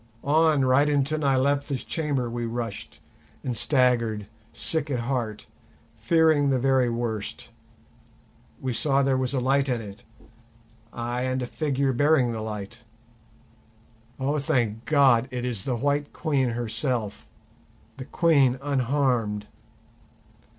On, right into Nyleptha's chamber we rushed and staggered, sick at heart, fearing the very worst; we saw there was a light in it, ay, and a figure bearing the light. Oh, thank God, it is the White Queen herself, the Queen unharmed!